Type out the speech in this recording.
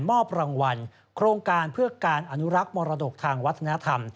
มอบรางวัลโครงการเพื่อการอนุรักษ์มรดกทางวัฒนธรรม